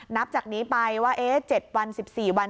นับจากนี้ไปว่า๗วัน๑๔วัน